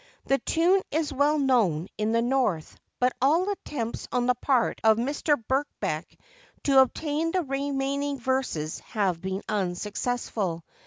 The tune is well known in the North, but all attempts on the part of Mr. Birkbeck to obtain the remaining verses have been unsuccessful.